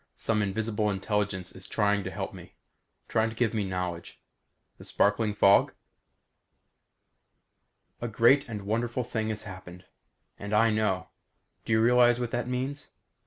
Some invisible intelligence is trying to help me; trying to give me knowledge. The sparkling fog? A great and wonderful thing has happened. And I know. Do you realize what that means?